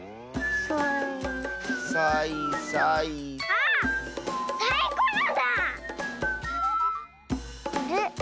あれ？